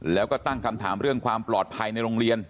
แล้วก็ตั้งคำถามเรื่องความปลอดภัยในโรงเรียน